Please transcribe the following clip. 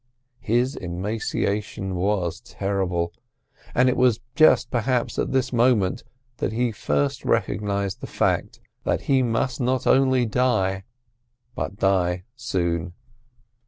His emaciation was terrible, and it was just perhaps at this moment that he first recognised the fact that he must not only die, but die soon.